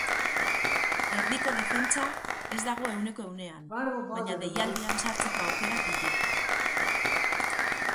Erdiko defentsa ez dago ehuneko ehunean, baina deialdian sartzeko aukerak ditu.